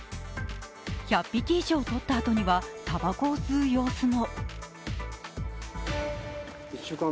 １００匹以上とった後にはたばこを吸う様子も。